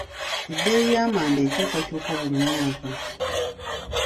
Ebbeeyi y'amanda ekyukakyuka buli mwaka.